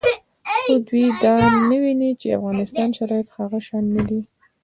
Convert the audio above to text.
خو دوی دا نه ویني چې د افغانستان شرایط هغه شان نه دي